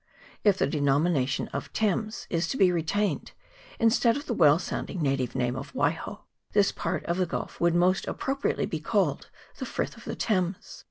If the denomination of "Thames" is to be retained, instead of the well sounding native name of Waiho, this part of the gulf would be most appropriately called the " Frith of the Thames."